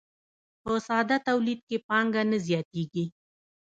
په ساده تولید کې پانګه نه زیاتېږي